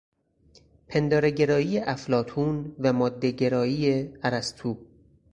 پندارهگرایی افلاطون و ماده گرایی ارسطو